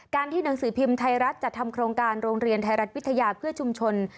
ที่หนังสือพิมพ์ไทยรัฐจัดทำโครงการโรงเรียนไทยรัฐวิทยาเพื่อชุมชน